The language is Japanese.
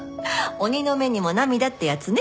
鬼の目にも涙ってやつね。